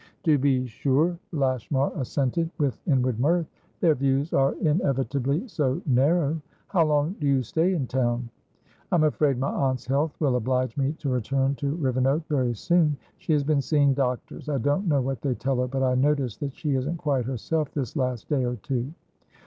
"To be sure," Lashmar assented, with inward mirth. "Their views are inevitably so narrow. How long do you stay in town?" "I'm afraid my aunt's health will oblige me to return to Rivenoak very soon. She has been seeing doctors. I don't know what they tell her, but I notice that she isn't quite herself this last day or two."